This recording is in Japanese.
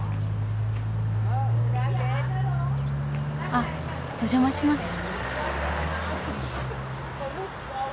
あっお邪魔します。